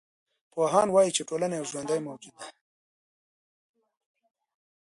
پوهان وايي چي ټولنه یو ژوندی موجود دی.